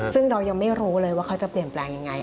ซึ่งเรายังไม่รู้เลยว่าเขาจะเปลี่ยนแปลงยังไง